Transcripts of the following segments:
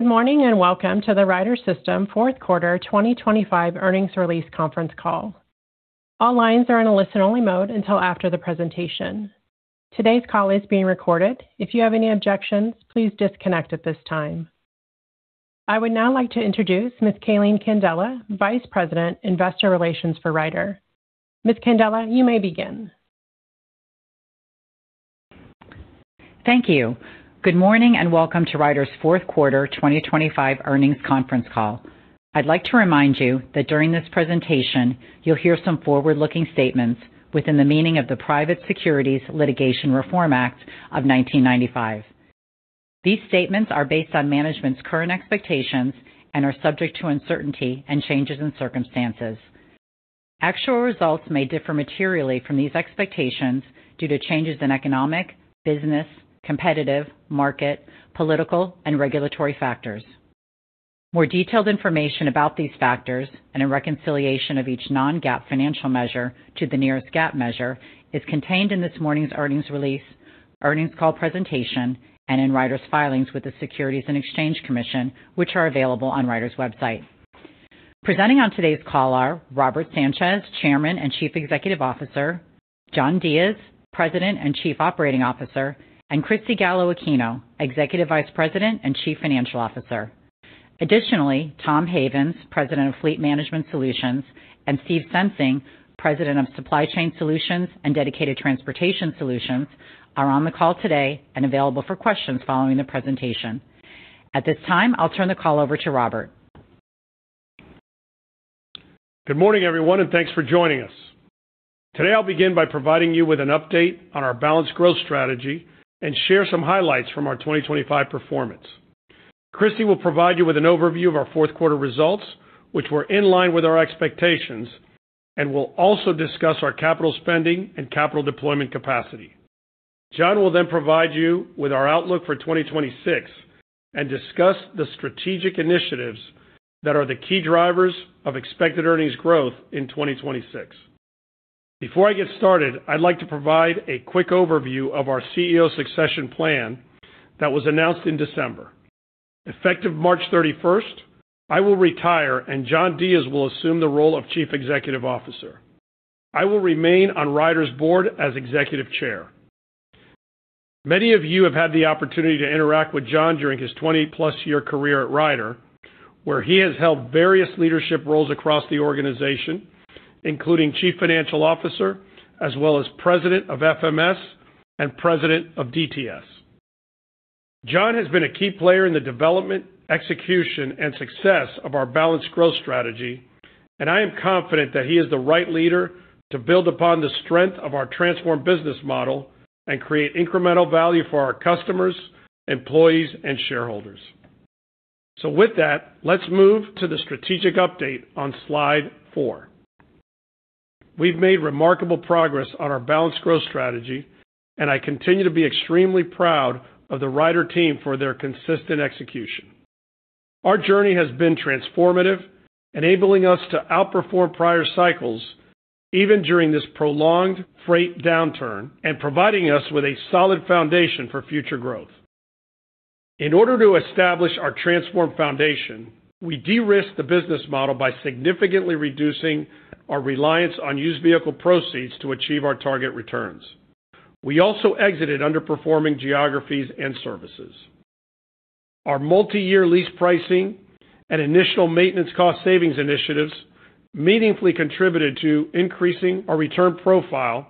Good morning and welcome to the Ryder System fourth quarter 2025 earnings release conference call. All lines are in a listen-only mode until after the presentation. Today's call is being recorded. If you have any objections, please disconnect at this time. I would now like to introduce Ms. Calene Candela, Vice President Investor Relations for Ryder. Ms. Candela, you may begin. Thank you. Good morning and welcome to Ryder's fourth quarter 2025 earnings conference call. I'd like to remind you that during this presentation you'll hear some forward-looking statements within the meaning of the Private Securities Litigation Reform Act of 1995. These statements are based on management's current expectations and are subject to uncertainty and changes in circumstances. Actual results may differ materially from these expectations due to changes in economic, business, competitive, market, political, and regulatory factors. More detailed information about these factors and a reconciliation of each non-GAAP financial measure to the nearest GAAP measure is contained in this morning's earnings release, earnings call presentation, and in Ryder's filings with the Securities and Exchange Commission, which are available on Ryder's website. Presenting on today's call are Robert Sanchez, Chairman and Chief Executive Officer, John Diez, President and Chief Operating Officer, and Cristina Gallo-Aquino, Executive Vice President and Chief Financial Officer. Additionally, Tom Havens, President of Fleet Management Solutions, and Steve Sensing, President of Supply Chain Solutions and Dedicated Transportation Solutions, are on the call today and available for questions following the presentation. At this time, I'll turn the call over to Robert. Good morning, everyone, and thanks for joining us. Today I'll begin by providing you with an update on our balanced growth strategy and share some highlights from our 2025 performance. Cristina will provide you with an overview of our fourth quarter results, which were in line with our expectations, and we'll also discuss our capital spending and capital deployment capacity. John will then provide you with our outlook for 2026 and discuss the strategic initiatives that are the key drivers of expected earnings growth in 2026. Before I get started, I'd like to provide a quick overview of our CEO succession plan that was announced in December. Effective March 31st, I will retire and John Diez will assume the role of Chief Executive Officer. I will remain on Ryder's board as Executive Chair. Many of you have had the opportunity to interact with John during his 20+ year career at Ryder, where he has held various leadership roles across the organization, including Chief Financial Officer as well as President of FMS and President of DTS. John has been a key player in the development, execution, and success of our balanced growth strategy, and I am confident that he is the right leader to build upon the strength of our transformed business model and create incremental value for our customers, employees, and shareholders. So with that, let's move to the strategic update on slide 4. We've made remarkable progress on our balanced growth strategy, and I continue to be extremely proud of the Ryder team for their consistent execution. Our journey has been transformative, enabling us to outperform prior cycles even during this prolonged freight downturn and providing us with a solid foundation for future growth. In order to establish our transformed foundation, we de-risked the business model by significantly reducing our reliance on used vehicle proceeds to achieve our target returns. We also exited underperforming geographies and services. Our multi-year lease pricing and initial maintenance cost savings initiatives meaningfully contributed to increasing our return profile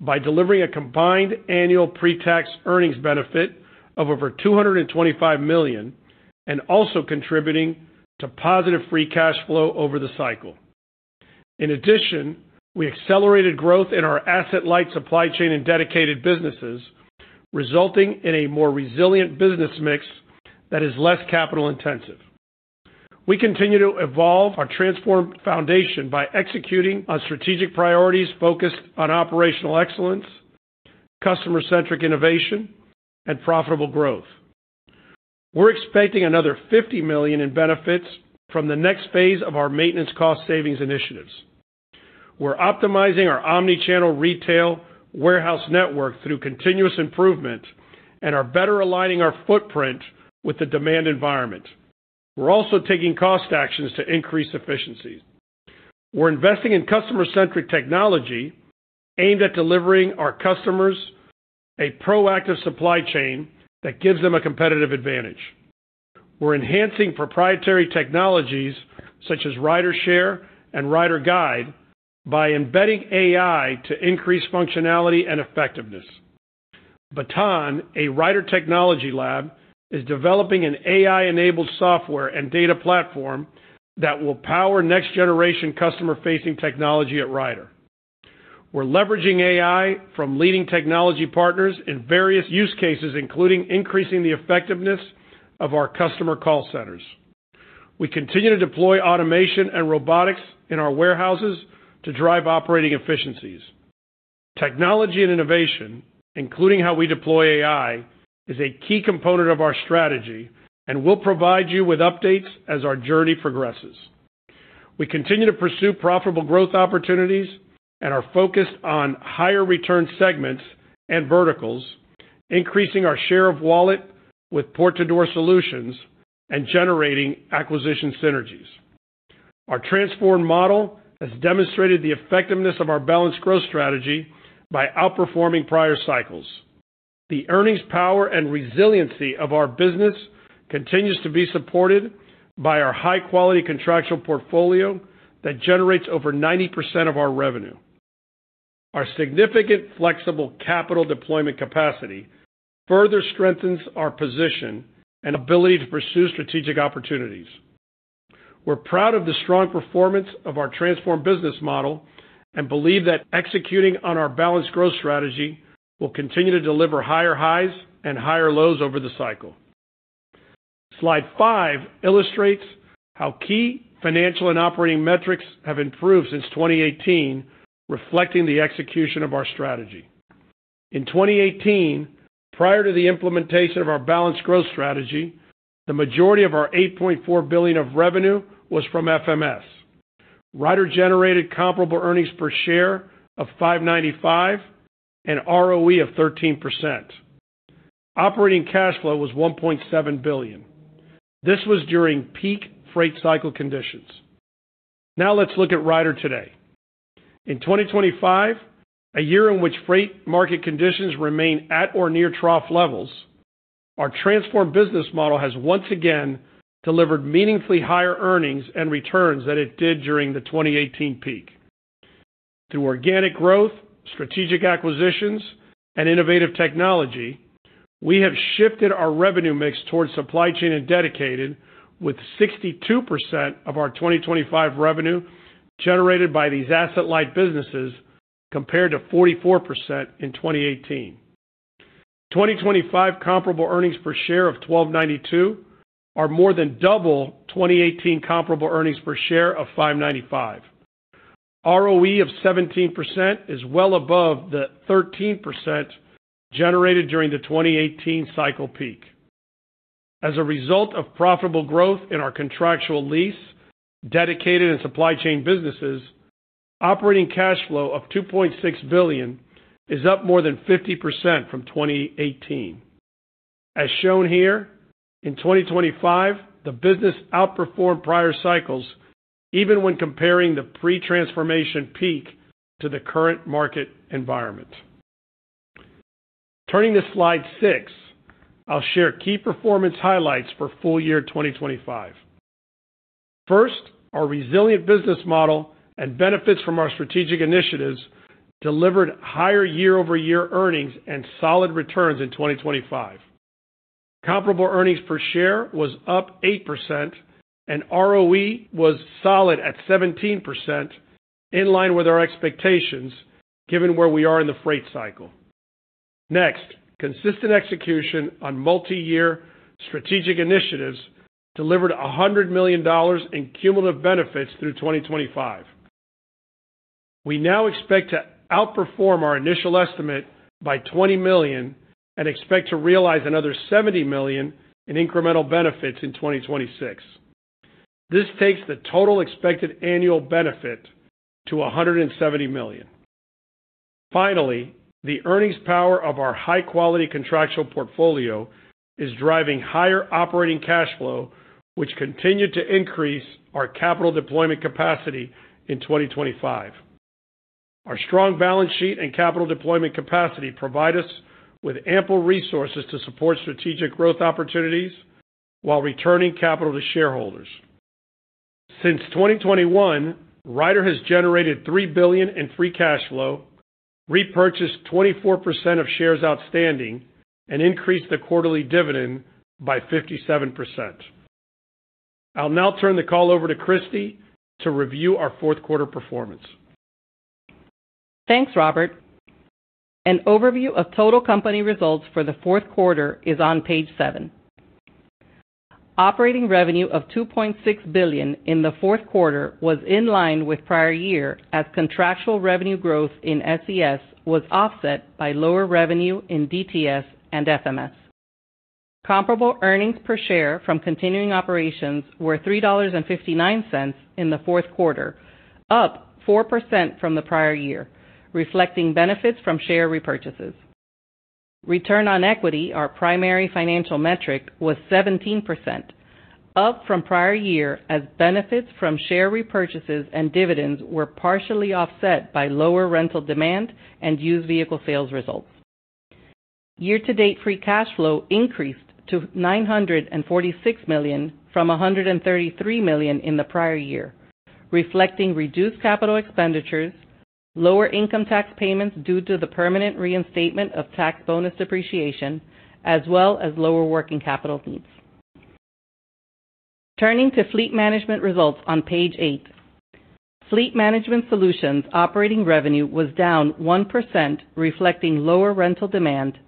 by delivering a combined annual pre-tax earnings benefit of over $225 million and also contributing to positive free cash flow over the cycle. In addition, we accelerated growth in our asset-light supply chain and dedicated businesses, resulting in a more resilient business mix that is less capital-intensive. We continue to evolve our transformed foundation by executing on strategic priorities focused on operational excellence, customer-centric innovation, and profitable growth. We're expecting another $50 million in benefits from the next phase of our maintenance cost savings initiatives. We're optimizing our omnichannel retail warehouse network through continuous improvement and are better aligning our footprint with the demand environment. We're also taking cost actions to increase efficiencies. We're investing in customer-centric technology aimed at delivering our customers a proactive supply chain that gives them a competitive advantage. We're enhancing proprietary technologies such as RyderShare and Ryder Guide by embedding AI to increase functionality and effectiveness. Baton, a Ryder technology lab, is developing an AI-enabled software and data platform that will power next-generation customer-facing technology at Ryder. We're leveraging AI from leading technology partners in various use cases, including increasing the effectiveness of our customer call centers. We continue to deploy automation and robotics in our warehouses to drive operating efficiencies. Technology and innovation, including how we deploy AI, is a key component of our strategy and will provide you with updates as our journey progresses. We continue to pursue profitable growth opportunities and are focused on higher return segments and verticals, increasing our share of wallet with port-to-door solutions and generating acquisition synergies. Our transformed model has demonstrated the effectiveness of our balanced growth strategy by outperforming prior cycles. The earnings power and resiliency of our business continues to be supported by our high-quality contractual portfolio that generates over 90% of our revenue. Our significant flexible capital deployment capacity further strengthens our position and ability to pursue strategic opportunities. We're proud of the strong performance of our transformed business model and believe that executing on our balanced growth strategy will continue to deliver higher highs and higher lows over the cycle. Slide five illustrates how key financial and operating metrics have improved since 2018, reflecting the execution of our strategy. In 2018, prior to the implementation of our balanced growth strategy, the majority of our $8.4 billion of revenue was from FMS. Ryder generated comparable earnings per share of $595 and ROE of 13%. Operating cash flow was $1.7 billion. This was during peak freight cycle conditions. Now let's look at Ryder today. In 2025, a year in which freight market conditions remain at or near trough levels, our transformed business model has once again delivered meaningfully higher earnings and returns than it did during the 2018 peak. Through organic growth, strategic acquisitions, and innovative technology, we have shifted our revenue mix towards supply chain and dedicated, with 62% of our 2025 revenue generated by these asset-light businesses compared to 44% in 2018. 2025 comparable earnings per share of $1,292 are more than double 2018 comparable earnings per share of $595. ROE of 17% is well above the 13% generated during the 2018 cycle peak. As a result of profitable growth in our contractual lease, dedicated, and supply chain businesses, operating cash flow of $2.6 billion is up more than 50% from 2018. As shown here, in 2025, the business outperformed prior cycles even when comparing the pre-transformation peak to the current market environment. Turning to slide 6, I'll share key performance highlights for full year 2025. First, our resilient business model and benefits from our strategic initiatives delivered higher year-over-year earnings and solid returns in 2025. Comparable earnings per share was up 8% and ROE was solid at 17%, in line with our expectations given where we are in the freight cycle. Next, consistent execution on multi-year strategic initiatives delivered $100 million in cumulative benefits through 2025. We now expect to outperform our initial estimate by $20 million and expect to realize another $70 million in incremental benefits in 2026. This takes the total expected annual benefit to $170 million. Finally, the earnings power of our high-quality contractual portfolio is driving higher operating cash flow, which continued to increase our capital deployment capacity in 2025. Our strong balance sheet and capital deployment capacity provide us with ample resources to support strategic growth opportunities while returning capital to shareholders. Since 2021, Ryder has generated $3 billion in free cash flow, repurchased 24% of shares outstanding, and increased the quarterly dividend by 57%. I'll now turn the call over to Cristina to review our fourth quarter performance. Thanks, Robert. An overview of total company results for the fourth quarter is on page 7. Operating revenue of $2.6 billion in the fourth quarter was in line with prior year as contractual revenue growth in SCS was offset by lower revenue in DTS and FMS. Comparable earnings per share from continuing operations were $3.59 in the fourth quarter, up 4% from the prior year, reflecting benefits from share repurchases. Return on equity, our primary financial metric, was 17%, up from prior year as benefits from share repurchases and dividends were partially offset by lower rental demand and used vehicle sales results. Year-to-date free cash flow increased to $946 million from $133 million in the prior year, reflecting reduced capital expenditures, lower income tax payments due to the permanent reinstatement of tax bonus depreciation, as well as lower working capital needs. Turning to fleet management results on page 8. Fleet Management Solutions operating revenue was down 1%, reflecting lower rental demand,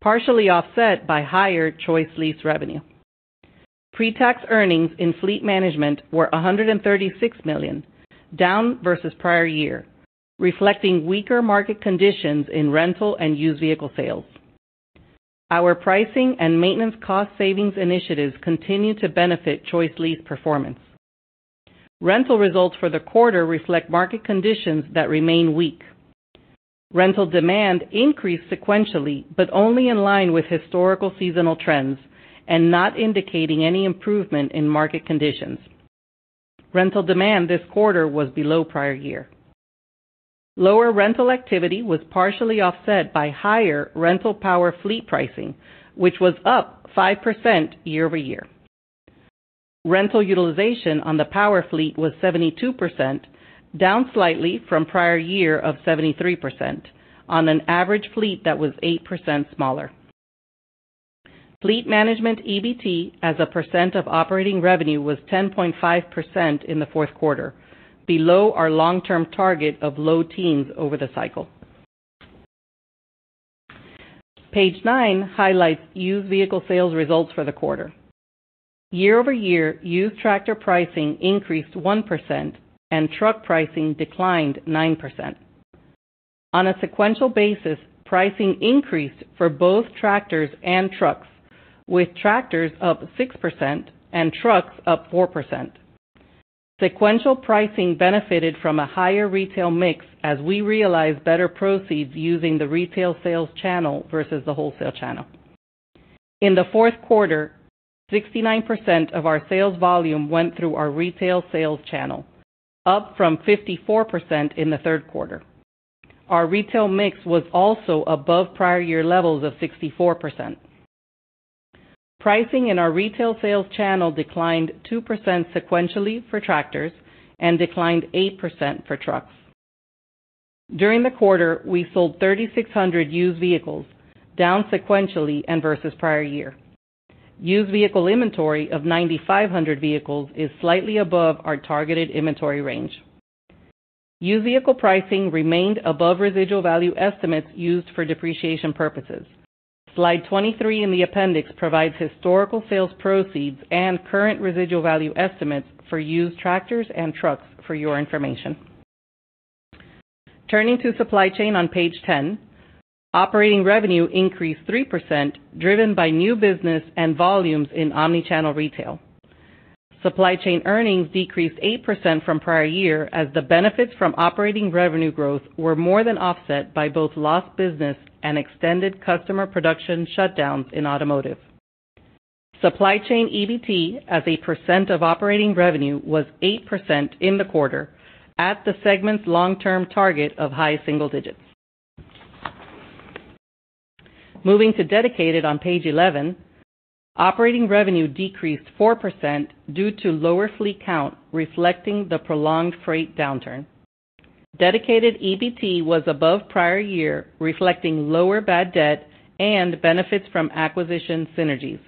partially offset by higher ChoiceLease revenue. Pre-tax earnings in fleet management were $136 million, down versus prior year, reflecting weaker market conditions in rental and used vehicle sales. Our pricing and maintenance cost savings initiatives continue to benefit ChoiceLease performance. Rental results for the quarter reflect market conditions that remain weak. Rental demand increased sequentially but only in line with historical seasonal trends and not indicating any improvement in market conditions. Rental demand this quarter was below prior year. Lower rental activity was partially offset by higher rental power fleet pricing, which was up 5% year-over-year. Rental utilization on the power fleet was 72%, down slightly from prior year of 73% on an average fleet that was 8% smaller. Fleet Management EBT as a percent of operating revenue was 10.5% in the fourth quarter, below our long-term target of low teens over the cycle. Page 9 highlights used vehicle sales results for the quarter. Year-over-year, used tractor pricing increased 1% and truck pricing declined 9%. On a sequential basis, pricing increased for both tractors and trucks, with tractors up 6% and trucks up 4%. Sequential pricing benefited from a higher retail mix as we realized better proceeds using the retail sales channel versus the wholesale channel. In the fourth quarter, 69% of our sales volume went through our retail sales channel, up from 54% in the third quarter. Our retail mix was also above prior year levels of 64%. Pricing in our retail sales channel declined 2% sequentially for tractors and declined 8% for trucks. During the quarter, we sold 3,600 used vehicles, down sequentially and versus prior year. Used vehicle inventory of 9,500 vehicles is slightly above our targeted inventory range. Used vehicle pricing remained above residual value estimates used for depreciation purposes. Slide 23 in the appendix provides historical sales proceeds and current residual value estimates for used tractors and trucks for your information. Turning to Supply Chain on page 10. Operating revenue increased 3%, driven by new business and volumes in omnichannel retail. Supply Chain earnings decreased 8% from prior year as the benefits from operating revenue growth were more than offset by both lost business and extended customer production shutdowns in automotive. Supply Chain EBT as a percent of operating revenue was 8% in the quarter, at the segment's long-term target of high single digits. Moving to Dedicated on page 11. Operating revenue decreased 4% due to lower fleet count, reflecting the prolonged freight downturn. Dedicated EBT was above prior year, reflecting lower bad debt and benefits from acquisition synergies,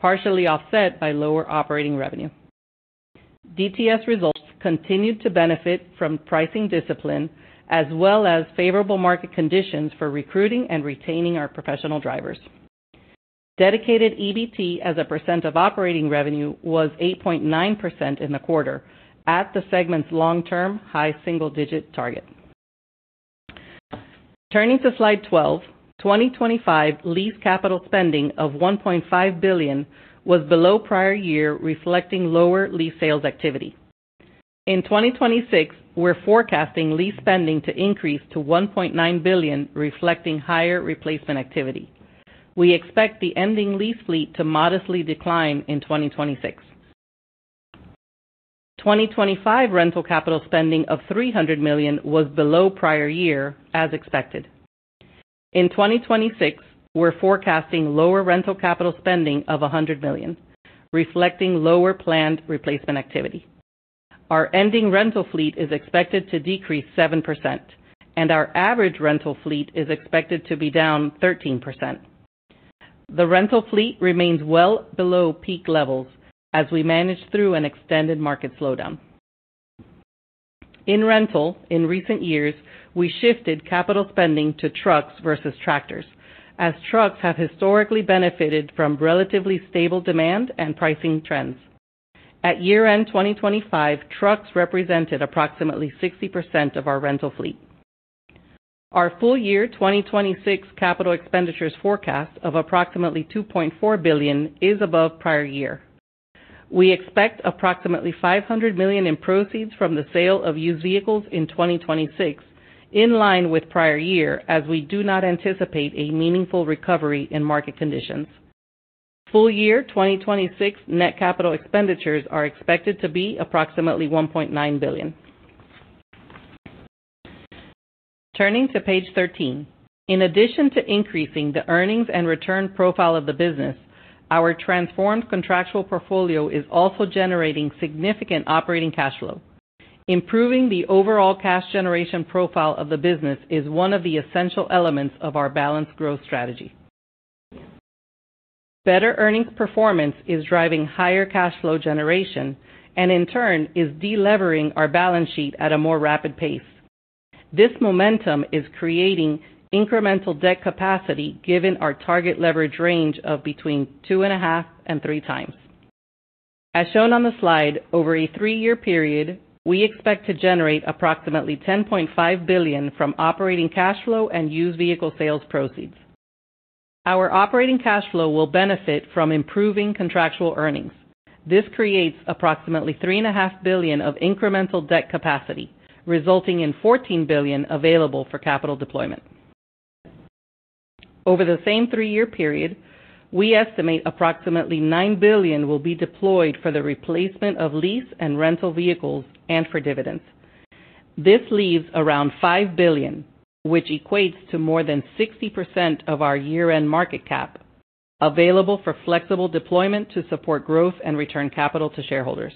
partially offset by lower operating revenue. DTS results continued to benefit from pricing discipline as well as favorable market conditions for recruiting and retaining our professional drivers. Dedicated EBT as a percent of operating revenue was 8.9% in the quarter, at the segment's long-term high single digit target. Turning to slide 12. 2025 lease capital spending of $1.5 billion was below prior year, reflecting lower lease sales activity. In 2026, we're forecasting lease spending to increase to $1.9 billion, reflecting higher replacement activity. We expect the ending lease fleet to modestly decline in 2026. 2025 rental capital spending of $300 million was below prior year, as expected. In 2026, we're forecasting lower rental capital spending of $100 million, reflecting lower planned replacement activity. Our ending rental fleet is expected to decrease 7%, and our average rental fleet is expected to be down 13%. The rental fleet remains well below peak levels as we manage through an extended market slowdown. In rental, in recent years, we shifted capital spending to trucks versus tractors, as trucks have historically benefited from relatively stable demand and pricing trends. At year-end 2025, trucks represented approximately 60% of our rental fleet. Our full year 2026 capital expenditures forecast of approximately $2.4 billion is above prior year. We expect approximately $500 million in proceeds from the sale of used vehicles in 2026, in line with prior year, as we do not anticipate a meaningful recovery in market conditions. Full year 2026 net capital expenditures are expected to be approximately $1.9 billion. Turning to page 13. In addition to increasing the earnings and return profile of the business, our transformed contractual portfolio is also generating significant operating cash flow. Improving the overall cash generation profile of the business is one of the essential elements of our balanced growth strategy. Better earnings performance is driving higher cash flow generation and, in turn, is delevering our balance sheet at a more rapid pace. This momentum is creating incremental debt capacity given our target leverage range of between 2.5 and 3 times. As shown on the slide, over a 3-year period, we expect to generate approximately $10.5 billion from operating cash flow and used vehicle sales proceeds. Our operating cash flow will benefit from improving contractual earnings. This creates approximately $3.5 billion of incremental debt capacity, resulting in $14 billion available for capital deployment. Over the same three-year period, we estimate approximately $9 billion will be deployed for the replacement of lease and rental vehicles and for dividends. This leaves around $5 billion, which equates to more than 60% of our year-end market cap, available for flexible deployment to support growth and return capital to shareholders.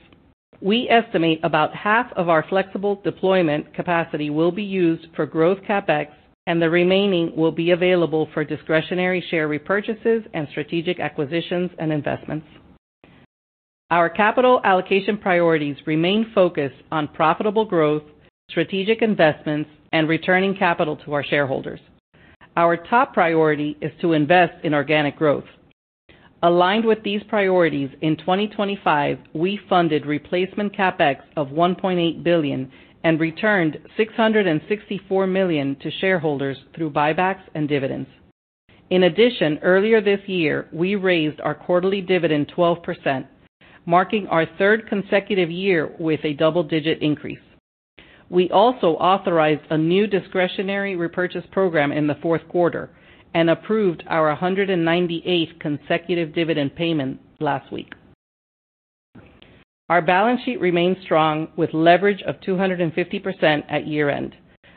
We estimate about half of our flexible deployment capacity will be used for growth CapEx, and the remaining will be available for discretionary share repurchases and strategic acquisitions and investments. Our capital allocation priorities remain focused on profitable growth, strategic investments, and returning capital to our shareholders. Our top priority is to invest in organic growth. Aligned with these priorities, in 2025, we funded replacement CapEx of $1.8 billion and returned $664 million to shareholders through buybacks and dividends. In addition, earlier this year, we raised our quarterly dividend 12%, marking our third consecutive year with a double-digit increase. We also authorized a new discretionary repurchase program in the fourth quarter and approved our 198th consecutive dividend payment last week. Our balance sheet remains strong, with leverage of 250% at year-end,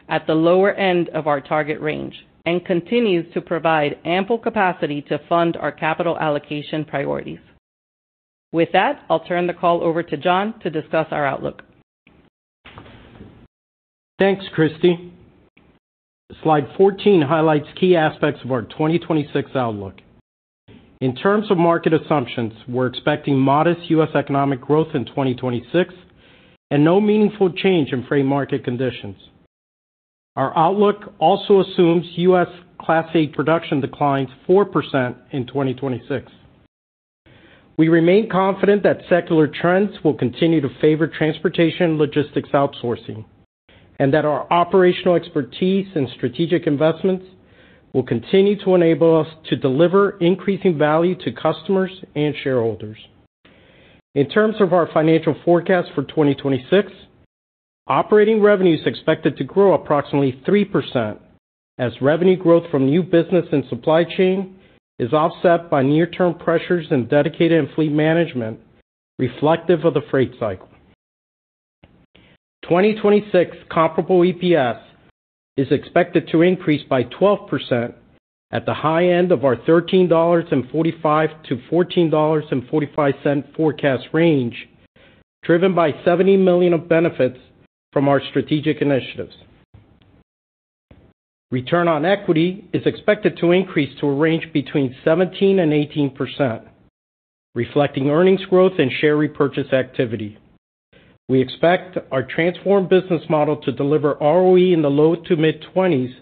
at the lower end of our target range, and continues to provide ample capacity to fund our capital allocation priorities. With that, I'll turn the call over to John to discuss our outlook. Thanks, Cristina. Slide 14 highlights key aspects of our 2026 outlook. In terms of market assumptions, we're expecting modest U.S. economic growth in 2026 and no meaningful change in freight market conditions. Our outlook also assumes U.S. Class 8 production declines 4% in 2026. We remain confident that secular trends will continue to favor transportation and logistics outsourcing, and that our operational expertise and strategic investments will continue to enable us to deliver increasing value to customers and shareholders. In terms of our financial forecast for 2026, operating revenue is expected to grow approximately 3%, as revenue growth from new business and supply chain is offset by near-term pressures in dedicated and fleet management, reflective of the freight cycle. 2026 comparable EPS is expected to increase by 12% at the high end of our 13.45 to $14.45 forecast range, driven by $70 million of benefits from our strategic initiatives. Return on equity is expected to increase to a range between 17%-18%, reflecting earnings growth and share repurchase activity. We expect our transformed business model to deliver ROE in the low to mid-20s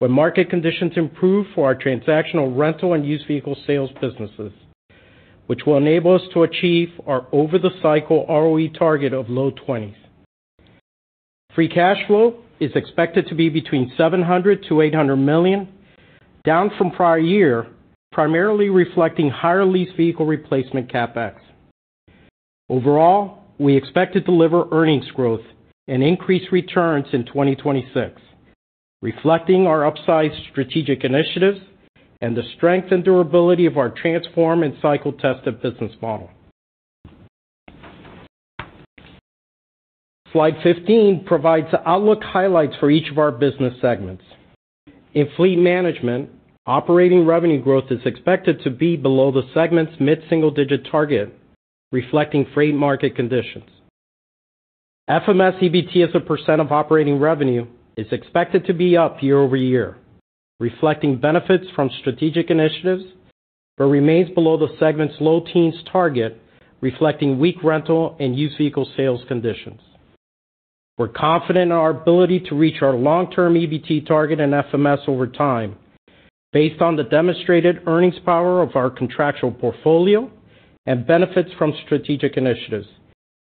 when market conditions improve for our transactional rental and used vehicle sales businesses, which will enable us to achieve our over-the-cycle ROE target of low 20s. Free cash flow is expected to be between $700 million-$800 million, down from prior year, primarily reflecting higher lease vehicle replacement CapEx. Overall, we expect to deliver earnings growth and increased returns in 2026, reflecting our upsized strategic initiatives and the strength and durability of our transformed and cycle-tested business model. Slide 15 provides outlook highlights for each of our business segments. In fleet management, operating revenue growth is expected to be below the segment's mid-single digit target, reflecting freight market conditions. FMS EBT as a % of operating revenue is expected to be up year-over-year, reflecting benefits from strategic initiatives, but remains below the segment's low teens target, reflecting weak rental and used vehicle sales conditions. We're confident in our ability to reach our long-term EBT target and FMS over time, based on the demonstrated earnings power of our contractual portfolio and benefits from strategic initiatives,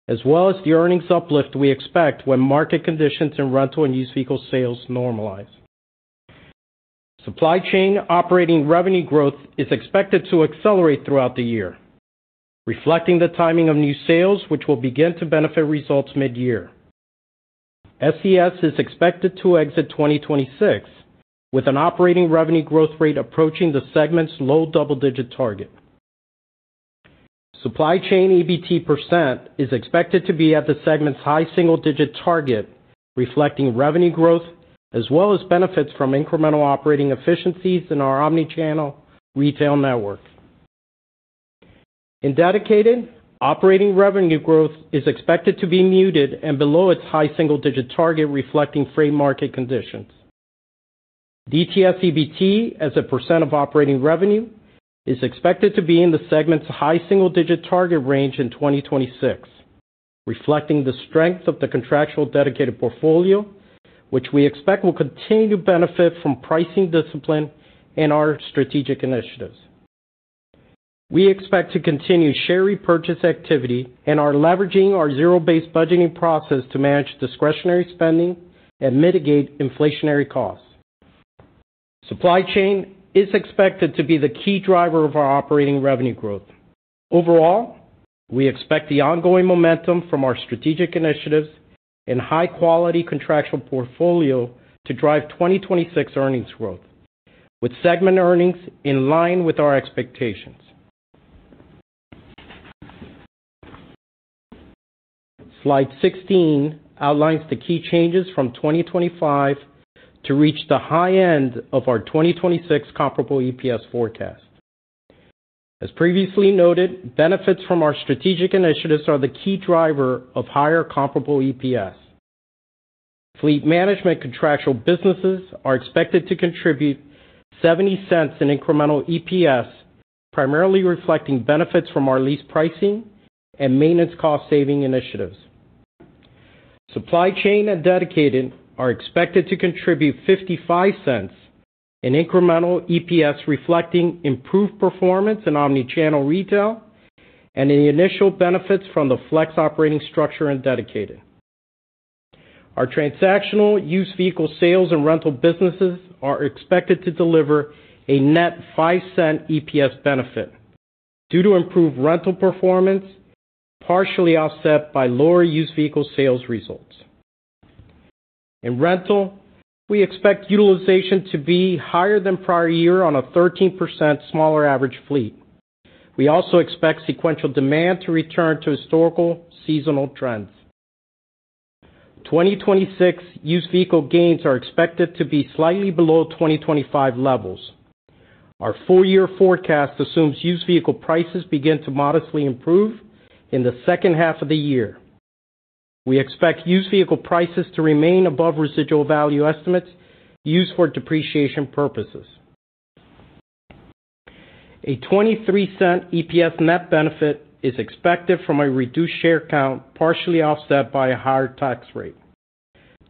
as well as the earnings uplift we expect when market conditions in rental and used vehicle sales normalize. Supply Chain operating revenue growth is expected to accelerate throughout the year, reflecting the timing of new sales, which will begin to benefit results mid-year. SCS is expected to exit 2026 with an operating revenue growth rate approaching the segment's low double-digit target. Supply Chain EBT % is expected to be at the segment's high single digit target, reflecting revenue growth as well as benefits from incremental operating efficiencies in our omnichannel retail network. In Dedicated, operating revenue growth is expected to be muted and below its high single digit target, reflecting freight market conditions. DTS EBT as a % of operating revenue is expected to be in the segment's high single digit target range in 2026, reflecting the strength of the contractual dedicated portfolio, which we expect will continue to benefit from pricing discipline and our strategic initiatives. We expect to continue share repurchase activity and are leveraging our zero-based budgeting process to manage discretionary spending and mitigate inflationary costs. Supply Chain is expected to be the key driver of our operating revenue growth. Overall, we expect the ongoing momentum from our strategic initiatives and high-quality contractual portfolio to drive 2026 earnings growth, with segment earnings in line with our expectations. Slide 16 outlines the key changes from 2025 to reach the high end of our 2026 comparable EPS forecast. As previously noted, benefits from our strategic initiatives are the key driver of higher comparable EPS. Fleet management contractual businesses are expected to contribute $0.70 in incremental EPS, primarily reflecting benefits from our lease pricing and maintenance cost-saving initiatives. Supply chain and dedicated are expected to contribute $0.55 in incremental EPS, reflecting improved performance in omnichannel retail and any initial benefits from the flex operating structure in dedicated. Our transactional used vehicle sales and rental businesses are expected to deliver a net $0.05 EPS benefit due to improved rental performance, partially offset by lower used vehicle sales results. In rental, we expect utilization to be higher than prior year on a 13% smaller average fleet. We also expect sequential demand to return to historical seasonal trends. 2026 used vehicle gains are expected to be slightly below 2025 levels. Our full year forecast assumes used vehicle prices begin to modestly improve in the second half of the year. We expect used vehicle prices to remain above residual value estimates used for depreciation purposes. A $0.23 EPS net benefit is expected from a reduced share count, partially offset by a higher tax rate.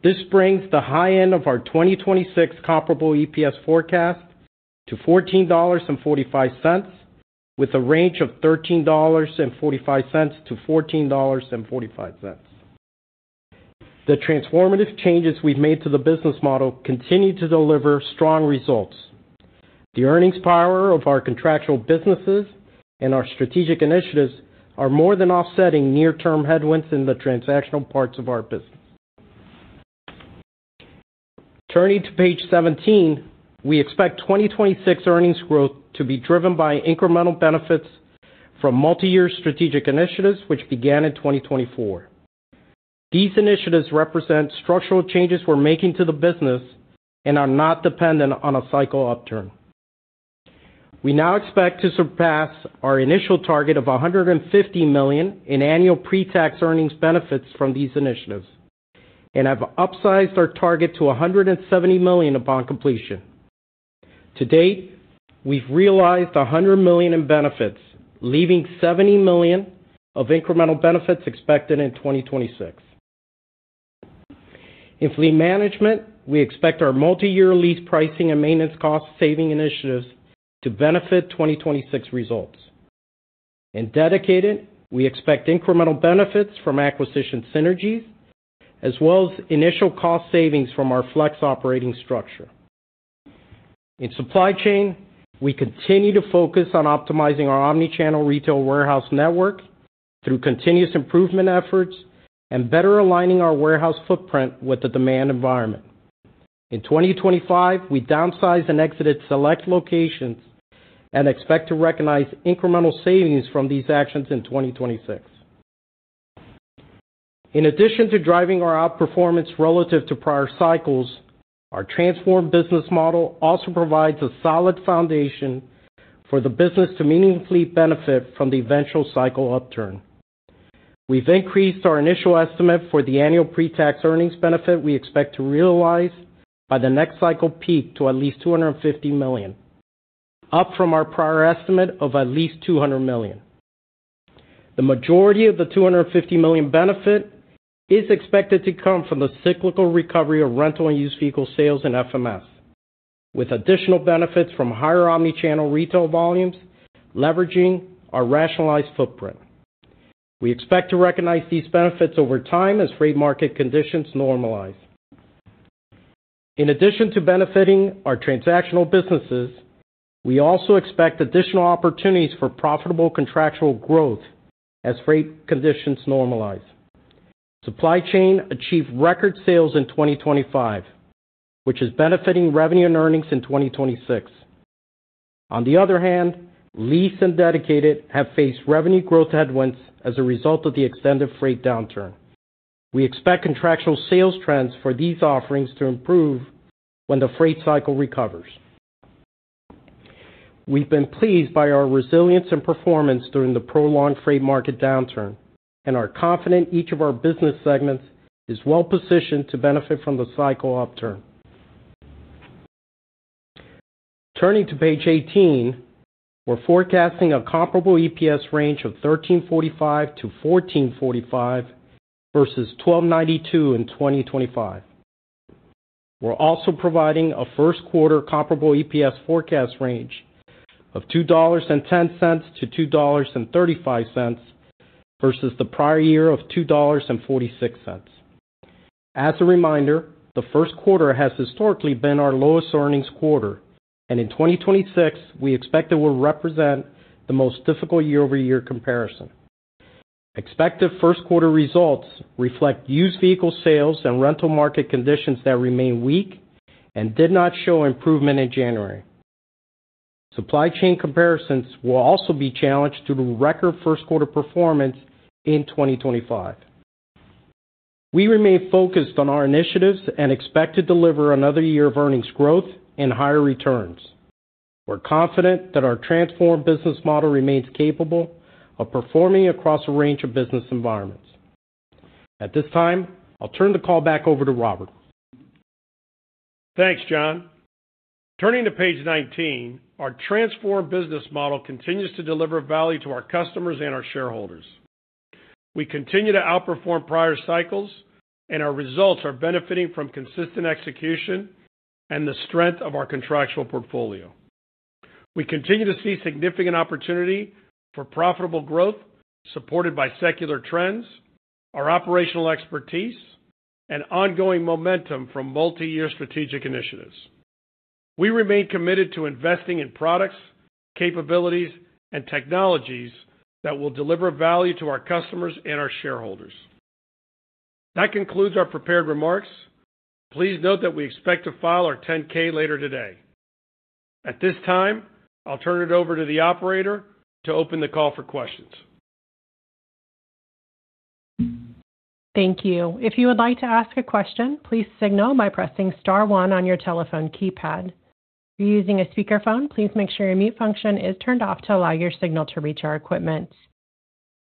This brings the high end of our 2026 comparable EPS forecast to $14.45, with a range of 13.45 to $14.45. The transformative changes we've made to the business model continue to deliver strong results. The earnings power of our contractual businesses and our strategic initiatives are more than offsetting near-term headwinds in the transactional parts of our business. Turning to page 17, we expect 2026 earnings growth to be driven by incremental benefits from multi-year strategic initiatives, which began in 2024. These initiatives represent structural changes we're making to the business and are not dependent on a cycle upturn. We now expect to surpass our initial target of $150 million in annual pre-tax earnings benefits from these initiatives and have upsized our target to $170 million upon completion. To date, we've realized $100 million in benefits, leaving $70 million of incremental benefits expected in 2026. In fleet management, we expect our multi-year lease pricing and maintenance cost-saving initiatives to benefit 2026 results. In dedicated, we expect incremental benefits from acquisition synergies as well as initial cost savings from our flex operating structure. In Supply Chain, we continue to focus on optimizing our omnichannel retail warehouse network through continuous improvement efforts and better aligning our warehouse footprint with the demand environment. In 2025, we downsized and exited select locations and expect to recognize incremental savings from these actions in 2026. In addition to driving our outperformance relative to prior cycles, our transformed business model also provides a solid foundation for the business to meaningfully benefit from the eventual cycle upturn. We've increased our initial estimate for the annual pre-tax earnings benefit we expect to realize by the next cycle peak to at least $250 million, up from our prior estimate of at least $200 million. The majority of the $250 million benefit is expected to come from the cyclical recovery of rental and used vehicle sales and FMS, with additional benefits from higher omnichannel retail volumes leveraging our rationalized footprint. We expect to recognize these benefits over time as freight market conditions normalize. In addition to benefiting our transactional businesses, we also expect additional opportunities for profitable contractual growth as freight conditions normalize. Supply Chain achieved record sales in 2025, which is benefiting revenue and earnings in 2026. On the other hand, lease and dedicated have faced revenue growth headwinds as a result of the extended freight downturn. We expect contractual sales trends for these offerings to improve when the freight cycle recovers. We've been pleased by our resilience and performance during the prolonged freight market downturn, and are confident each of our business segments is well positioned to benefit from the cycle upturn. Turning to page 18, we're forecasting a comparable EPS range of 13.45 to $14.45 versus $12.92 in 2025. We're also providing a first quarter comparable EPS forecast range of 2.10 to $2.35 versus the prior year of $2.46. As a reminder, the first quarter has historically been our lowest earnings quarter, and in 2026, we expect it will represent the most difficult year-over-year comparison. Expected first quarter results reflect used vehicle sales and rental market conditions that remain weak and did not show improvement in January. Supply chain comparisons will also be challenged due to record first quarter performance in 2025. We remain focused on our initiatives and expect to deliver another year of earnings growth and higher returns. We're confident that our transformed business model remains capable of performing across a range of business environments. At this time, I'll turn the call back over to Robert. Thanks, John. Turning to page 19, our transformed business model continues to deliver value to our customers and our shareholders. We continue to outperform prior cycles, and our results are benefiting from consistent execution and the strength of our contractual portfolio. We continue to see significant opportunity for profitable growth supported by secular trends, our operational expertise, and ongoing momentum from multi-year strategic initiatives. We remain committed to investing in products, capabilities, and technologies that will deliver value to our customers and our shareholders. That concludes our prepared remarks. Please note that we expect to file our 10-K later today. At this time, I'll turn it over to the operator to open the call for questions. Thank you. If you would like to ask a question, please signal by pressing star one on your telephone keypad. If you're using a speakerphone, please make sure your mute function is turned off to allow your signal to reach our equipment.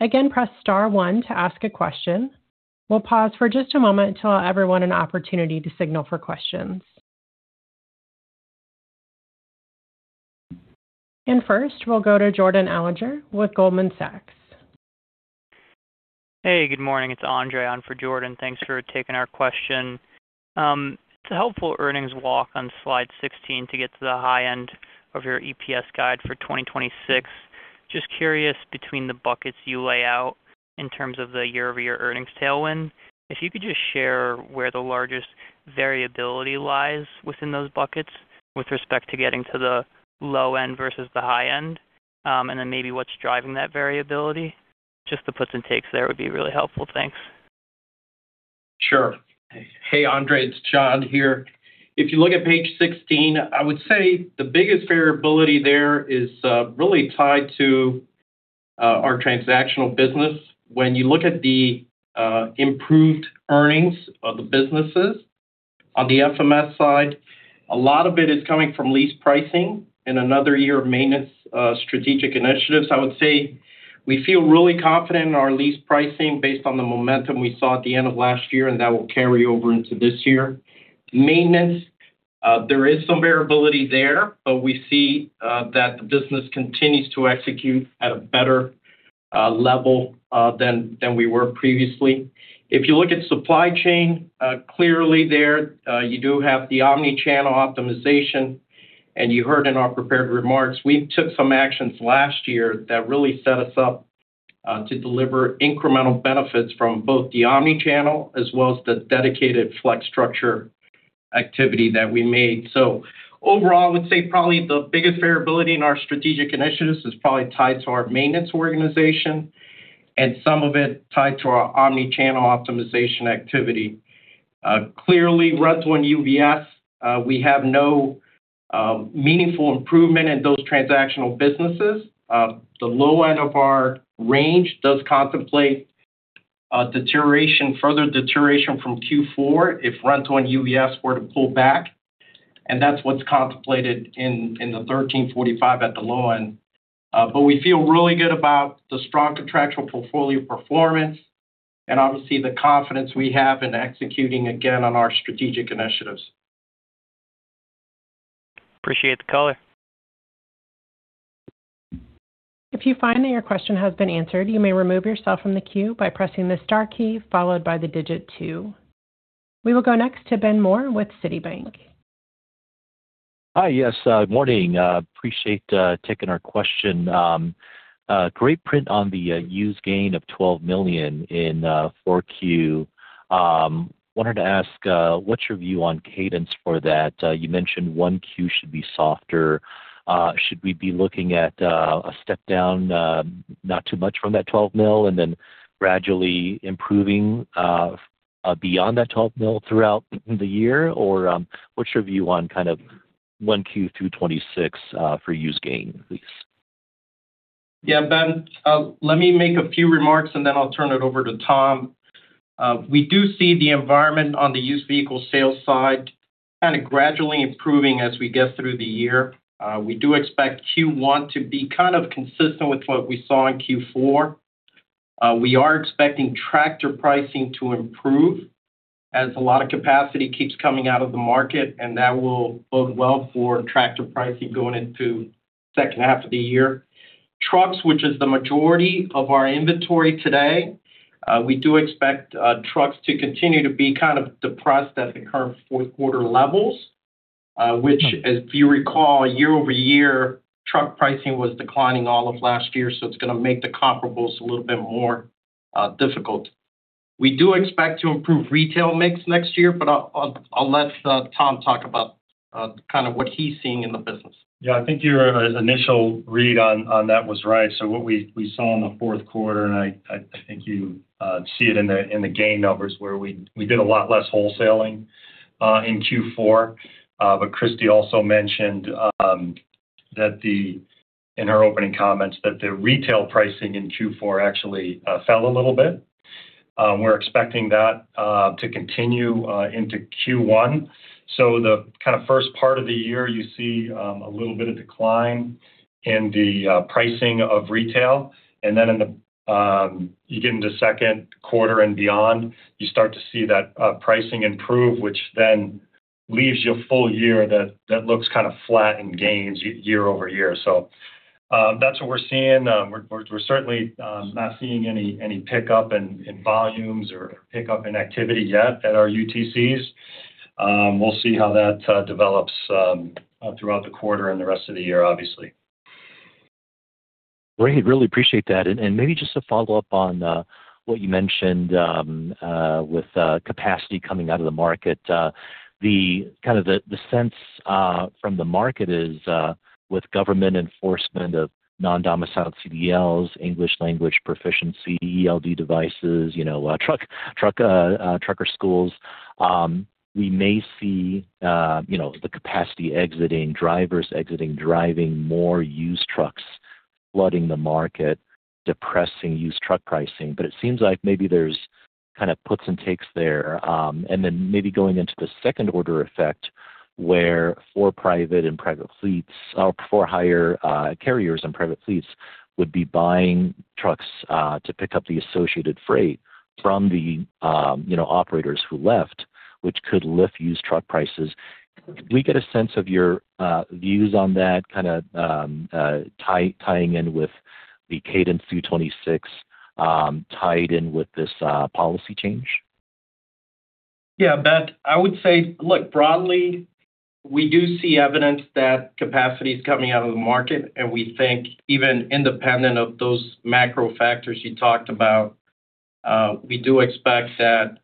Again, press star one to ask a question. We'll pause for just a moment to allow everyone an opportunity to signal for questions. First, we'll go to Jordan Alliger with Goldman Sachs. Hey, good morning. It's Andre on for Jordan. Thanks for taking our question. It's a helpful earnings walk on slide 16 to get to the high end of your EPS guide for 2026. Just curious, between the buckets you lay out in terms of the year-over-year earnings tailwind, if you could just share where the largest variability lies within those buckets with respect to getting to the low end versus the high end, and then maybe what's driving that variability. Just the puts and takes there would be really helpful. Thanks. Sure. Hey, Andre. It's John here. If you look at page 16, I would say the biggest variability there is really tied to our transactional business. When you look at the improved earnings of the businesses on the FMS side, a lot of it is coming from lease pricing and another year of maintenance strategic initiatives. I would say we feel really confident in our lease pricing based on the momentum we saw at the end of last year, and that will carry over into this year. Maintenance, there is some variability there, but we see that the business continues to execute at a better level than we were previously. If you look at supply chain, clearly there, you do have the omnichannel optimization. You heard in our prepared remarks, we took some actions last year that really set us up to deliver incremental benefits from both the omnichannel as well as the dedicated flex structure activity that we made. So overall, I would say probably the biggest variability in our strategic initiatives is probably tied to our maintenance organization and some of it tied to our omnichannel optimization activity. Clearly, rental and UVS, we have no meaningful improvement in those transactional businesses. The low end of our range does contemplate further deterioration from Q4 if rental and UVS were to pull back, and that's what's contemplated in the 13.45 at the low end. But we feel really good about the strong contractual portfolio performance and obviously the confidence we have in executing again on our strategic initiatives. Appreciate the color. If you find that your question has been answered, you may remove yourself from the queue by pressing the star key followed by the digit two. We will go next to Ben Moore with Citibank. Hi, yes. Good morning. Appreciate taking our question. Great print on the used gain of $12 million in 4Q. Wanted to ask, what's your view on cadence for that? You mentioned 1Q should be softer. Should we be looking at a step down not too much from that $12 million and then gradually improving beyond that $12 million throughout the year? Or what's your view on kind of 1Q through 2026 for used gain, please? Yeah, Ben, let me make a few remarks, and then I'll turn it over to Tom. We do see the environment on the used vehicle sales side kind of gradually improving as we get through the year. We do expect Q1 to be kind of consistent with what we saw in Q4. We are expecting tractor pricing to improve as a lot of capacity keeps coming out of the market, and that will bode well for tractor pricing going into second half of the year. Trucks, which is the majority of our inventory today, we do expect trucks to continue to be kind of depressed at the current fourth quarter levels, which, as you recall, year-over-year, truck pricing was declining all of last year, so it's going to make the comparables a little bit more difficult. We do expect to improve retail mix next year, but I'll let Tom talk about kind of what he's seeing in the business. Yeah, I think your initial read on that was right. So what we saw in the fourth quarter, and I think you see it in the gain numbers, where we did a lot less wholesaling in Q4. But Christy also mentioned in her opening comments that the retail pricing in Q4 actually fell a little bit. We're expecting that to continue into Q1. So the kind of first part of the year, you see a little bit of decline in the pricing of retail. And then you get into second quarter and beyond, you start to see that pricing improve, which then leaves you a full year that looks kind of flat in gains year-over-year. So that's what we're seeing. We're certainly not seeing any pickup in volumes or pickup in activity yet at our UTCs. We'll see how that develops throughout the quarter and the rest of the year, obviously. Great. Really appreciate that. And maybe just to follow up on what you mentioned with capacity coming out of the market, kind of the sense from the market is with government enforcement of non-domiciled CDLs, English language proficiency, ELD devices, trucker schools, we may see the capacity exiting, drivers exiting, driving more used trucks, flooding the market, depressing used truck pricing. But it seems like maybe there's kind of puts and takes there. And then maybe going into the second-order effect where for private and private fleets or for-hire carriers and private fleets would be buying trucks to pick up the associated freight from the operators who left, which could lift used truck prices. Can we get a sense of your views on that kind of tying in with the cadence through 2026, tied in with this policy change? Yeah, Ben, I would say, look, broadly, we do see evidence that capacity is coming out of the market, and we think even independent of those macro factors you talked about, we do expect that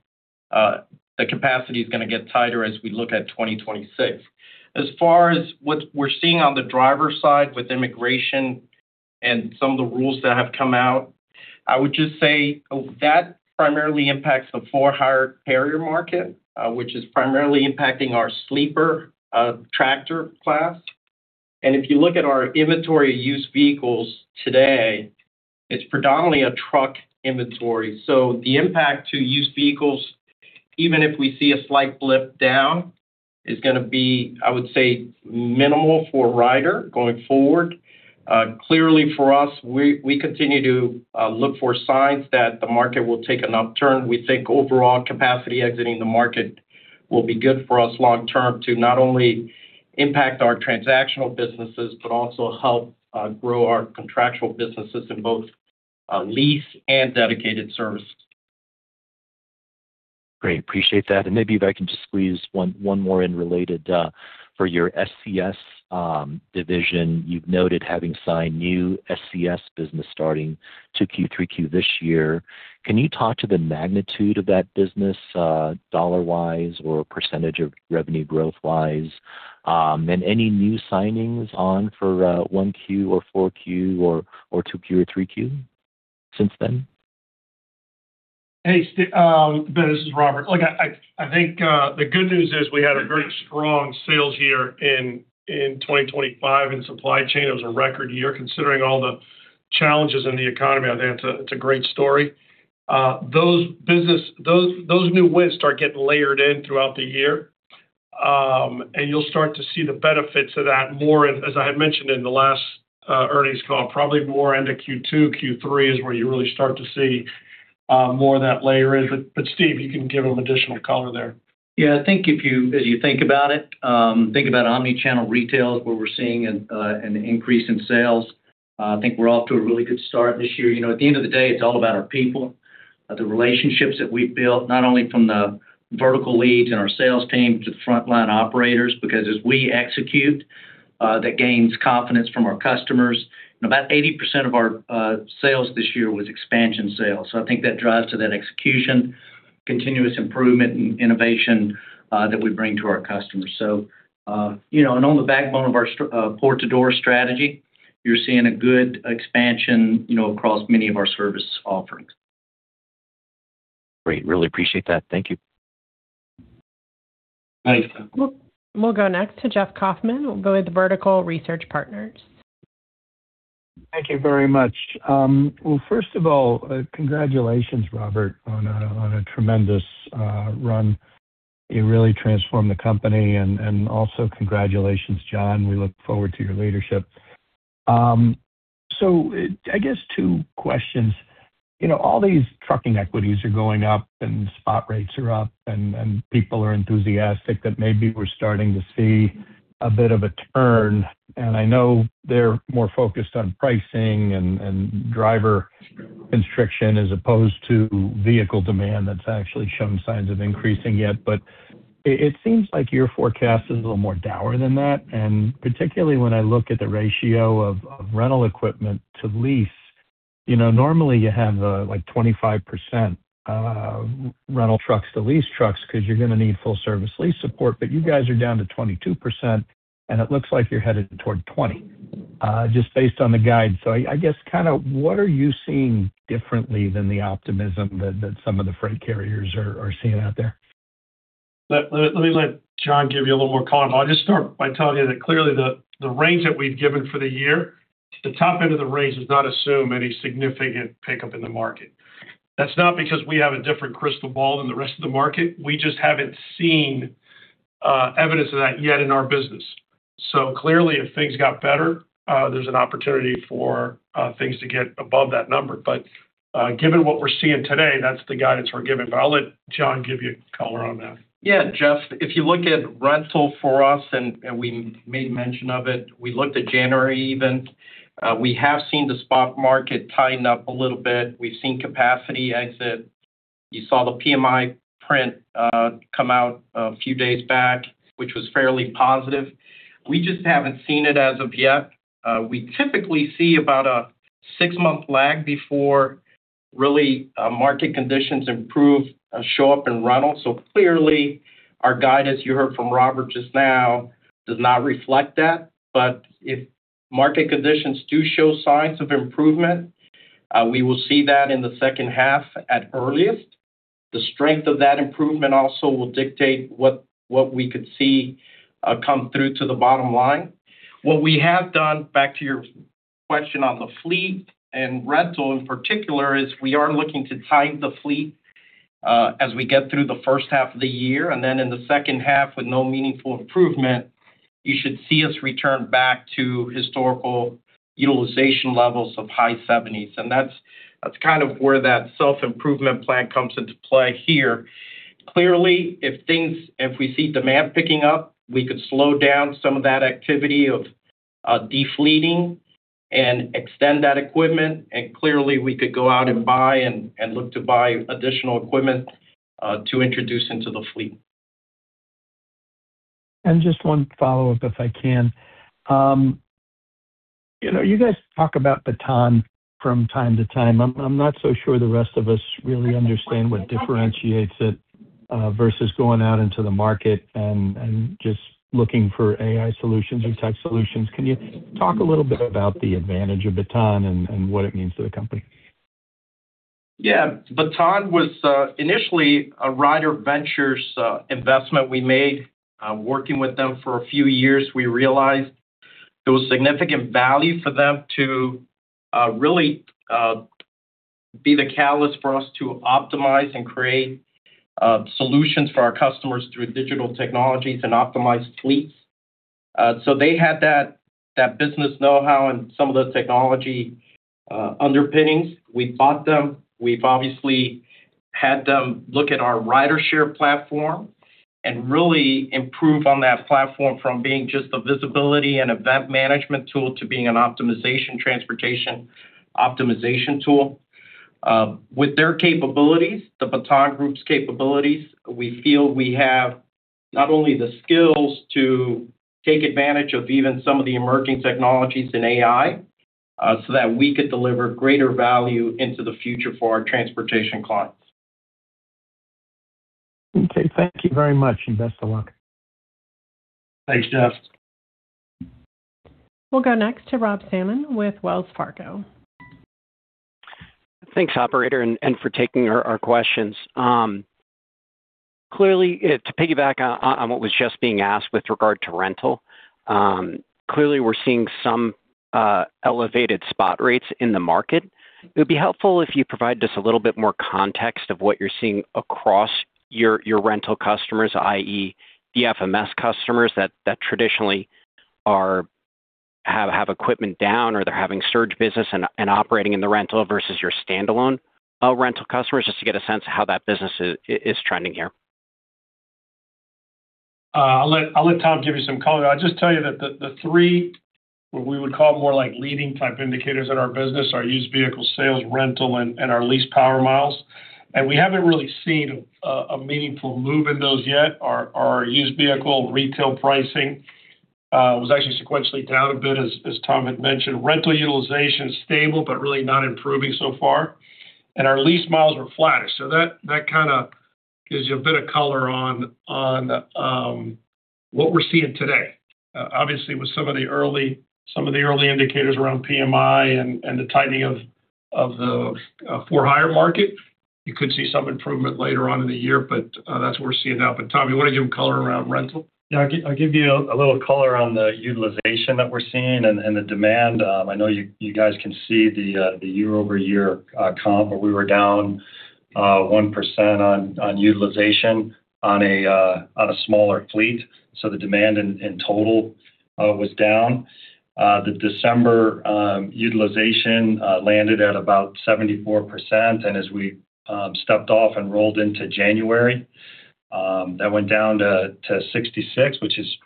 the capacity is going to get tighter as we look at 2026. As far as what we're seeing on the driver side with immigration and some of the rules that have come out, I would just say that primarily impacts the for-hire carrier market, which is primarily impacting our sleeper tractor class. And if you look at our inventory of used vehicles today, it's predominantly a truck inventory. So the impact to used vehicles, even if we see a slight blip down, is going to be, I would say, minimal for Ryder going forward. Clearly, for us, we continue to look for signs that the market will take an upturn. We think overall capacity exiting the market will be good for us long term to not only impact our transactional businesses but also help grow our contractual businesses in both lease and dedicated service. Great. Appreciate that. Maybe if I can just squeeze one more in related. For your SCS division, you've noted having signed new SCS business starting in Q3 this year. Can you talk to the magnitude of that business dollar-wise or percentage of revenue growth-wise and any new signings on for 1Q or 4Q or 2Q or 3Q since then? Hey, Ben, this is Robert. Look, I think the good news is we had a very strong sales year in 2025 in supply chain. It was a record year. Considering all the challenges in the economy, I think it's a great story. Those new wins start getting layered in throughout the year, and you'll start to see the benefits of that more, as I had mentioned in the last earnings call, probably more into Q2. Q3 is where you really start to see more of that layer in. But Steve, you can give them additional color there. Yeah, I think if you, as you think about it, think about omnichannel retailers where we're seeing an increase in sales, I think we're off to a really good start this year. At the end of the day, it's all about our people, the relationships that we've built, not only from the vertical leads and our sales team to the frontline operators, because as we execute, that gains confidence from our customers. About 80% of our sales this year was expansion sales. So I think that drives to that execution, continuous improvement, and innovation that we bring to our customers. And on the backbone of our door-to-door strategy, you're seeing a good expansion across many of our service offerings. Great. Really appreciate that. Thank you. Thanks. We'll go next to Jeff Kaufman. We'll go with Vertical Research Partners. Thank you very much. Well, first of all, congratulations, Robert, on a tremendous run. You really transformed the company. And also congratulations, John. We look forward to your leadership. So I guess two questions. All these trucking equities are going up, and spot rates are up, and people are enthusiastic that maybe we're starting to see a bit of a turn. And I know they're more focused on pricing and driver constraints as opposed to vehicle demand that's actually shown signs of increasing yet. But it seems like your forecast is a little more dour than that. Particularly when I look at the ratio of rental equipment to lease, normally you have 25% rental trucks to lease trucks because you're going to need full-service lease support. But you guys are down to 22%, and it looks like you're headed toward 20% just based on the guide. So I guess kind of what are you seeing differently than the optimism that some of the freight carriers are seeing out there? Let me let John give you a little more comment. I'll just start by telling you that clearly, the range that we've given for the year, the top end of the range does not assume any significant pickup in the market. That's not because we have a different crystal ball than the rest of the market. We just haven't seen evidence of that yet in our business. So clearly, if things got better, there's an opportunity for things to get above that number. But given what we're seeing today, that's the guidance we're giving. But I'll let John give you color on that. Yeah, Jeff, if you look at rental for us, and we made mention of it, we looked at January even. We have seen the spot market tighten up a little bit. We've seen capacity exit. You saw the PMI print come out a few days back, which was fairly positive. We just haven't seen it as of yet. We typically see about a six-month lag before really market conditions improve, show up in rental. So clearly, our guide, as you heard from Robert just now, does not reflect that. But if market conditions do show signs of improvement, we will see that in the second half at earliest. The strength of that improvement also will dictate what we could see come through to the bottom line. What we have done, back to your question on the fleet and rental in particular, is we are looking to tighten the fleet as we get through the first half of the year. And then in the second half, with no meaningful improvement, you should see us return back to historical utilization levels of high 70s. And that's kind of where that self-improvement plan comes into play here. Clearly, if we see demand picking up, we could slow down some of that activity of defleeting and extend that equipment. And clearly, we could go out and buy and look to buy additional equipment to introduce into the fleet. And just one follow-up, if I can. You guys talk about Baton from time to time. I'm not so sure the rest of us really understand what differentiates it versus going out into the market and just looking for AI solutions or tech solutions. Can you talk a little bit about the advantage of Baton and what it means to the company? Yeah. Baton was initially a Ryder Ventures investment we made. Working with them for a few years, we realized it was significant value for them to really be the catalyst for us to optimize and create solutions for our customers through digital technologies and optimize fleets. So they had that business know-how and some of the technology underpinnings. We bought them. We've obviously had them look at our RyderShare platform and really improve on that platform from being just a visibility and event management tool to being an optimization, transportation optimization tool. With their capabilities, the Baton Group's capabilities, we feel we have not only the skills to take advantage of even some of the emerging technologies in AI so that we could deliver greater value into the future for our transportation clients. Okay. Thank you very much, and best of luck. Thanks, Jeff. We'll go next to Rob Sannen with Wells Fargo. Thanks, operator, and for taking our questions. Clearly, to piggyback on what was just being asked with regard to rental, clearly, we're seeing some elevated spot rates in the market. It would be helpful if you provide us a little bit more context of what you're seeing across your rental customers, i.e., the FMS customers that traditionally have equipment down or they're having surge business and operating in the rental versus your standalone rental customers, just to get a sense of how that business is trending here. I'll let Tom give you some color. I'll just tell you that the three, what we would call more like leading-type indicators in our business, are used vehicle sales, rental, and our leased power miles. And we haven't really seen a meaningful move in those yet. Our used vehicle retail pricing was actually sequentially down a bit, as Tom had mentioned. Rental utilization is stable but really not improving so far. And our leased miles were flattish. So that kind of gives you a bit of color on what we're seeing today. Obviously, with some of the early indicators around PMI and the tightening of the for-hire market, you could see some improvement later on in the year, but that's what we're seeing now. But Tom, you want to give them color around rental? Yeah, I'll give you a little color on the utilization that we're seeing and the demand. I know you guys can see the year-over-year comp, but we were down 1% on utilization on a smaller fleet. So the demand in total was down. The December utilization landed at about 74%. And as we stepped off and rolled into January, that went down to 66%, which is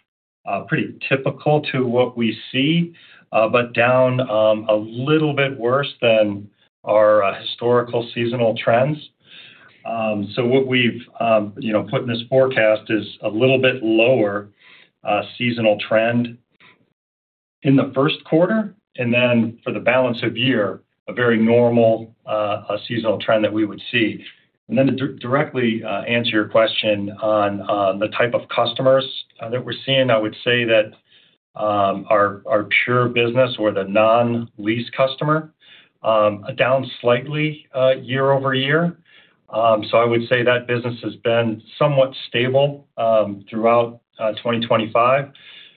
pretty typical to what we see, but down a little bit worse than our historical seasonal trends. So what we've put in this forecast is a little bit lower seasonal trend in the first quarter and then for the balance of year, a very normal seasonal trend that we would see. And then to directly answer your question on the type of customers that we're seeing, I would say that our pure business, or the non-lease customer, down slightly year-over-year. So I would say that business has been somewhat stable throughout 2025.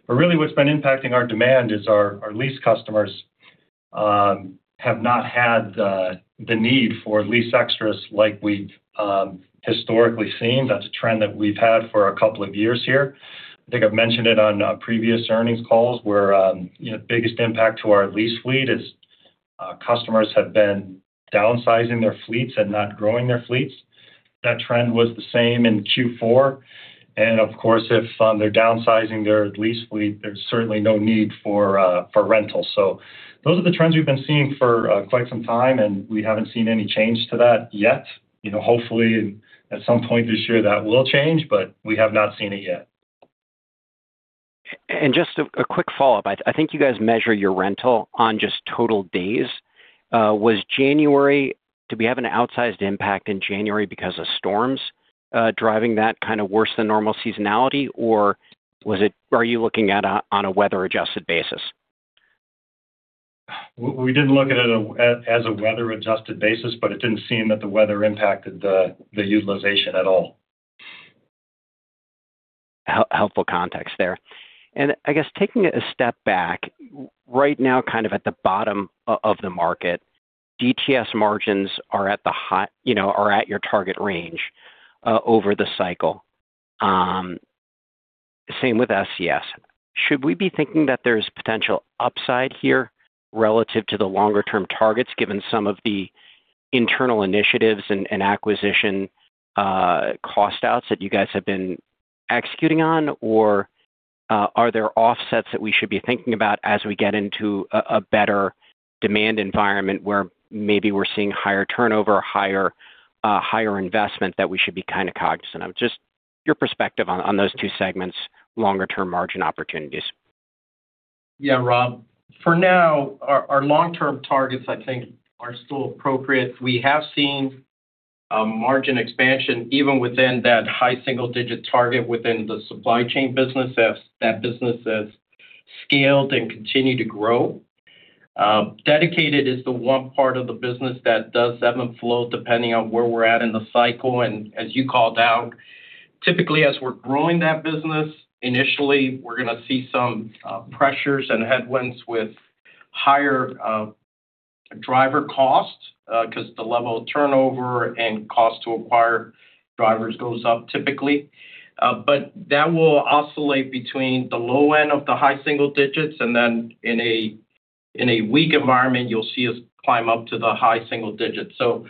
But really, what's been impacting our demand is our lease customers have not had the need for lease extras like we've historically seen. That's a trend that we've had for a couple of years here. I think I've mentioned it on previous earnings calls where the biggest impact to our lease fleet is customers have been downsizing their fleets and not growing their fleets. That trend was the same in Q4. Of course, if they're downsizing their lease fleet, there's certainly no need for rental. Those are the trends we've been seeing for quite some time, and we haven't seen any change to that yet. Hopefully, at some point this year, that will change, but we have not seen it yet. And just a quick follow-up. I think you guys measure your rental on just total days. Did we have an outsized impact in January because of storms driving that kind of worse-than-normal seasonality, or are you looking at it on a weather-adjusted basis? We didn't look at it as a weather-adjusted basis, but it didn't seem that the weather impacted the utilization at all. Helpful context there. And I guess taking a step back, right now, kind of at the bottom of the market, DTS margins are at the high are at your target range over the cycle. Same with SCS. Should we be thinking that there's potential upside here relative to the longer-term targets given some of the internal initiatives and acquisition cost-outs that you guys have been executing on, or are there offsets that we should be thinking about as we get into a better demand environment where maybe we're seeing higher turnover, higher investment that we should be kind of cognizant of? Just your perspective on those two segments, longer-term margin opportunities. Yeah, Rob. For now, our long-term targets, I think, are still appropriate. We have seen margin expansion even within that high single-digit target within the supply chain business as that business has scaled and continued to grow. Dedicated is the one part of the business that does ebb and flow depending on where we're at in the cycle. As you called out, typically, as we're growing that business, initially, we're going to see some pressures and headwinds with higher driver cost because the level of turnover and cost to acquire drivers goes up, typically. But that will oscillate between the low end of the high single digits. And then in a weak environment, you'll see us climb up to the high single digits. So